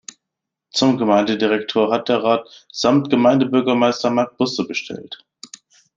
Zum Gemeindedirektor hat der Rat Samtgemeindebürgermeister Marc Busse bestellt.